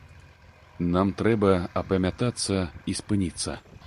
Нам трэба апамятацца і спыніцца.